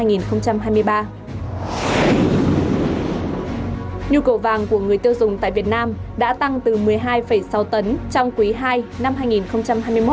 nhu cầu vàng của người tiêu dùng tại việt nam đã tăng từ một mươi hai sáu tấn trong quý ii năm hai nghìn hai mươi một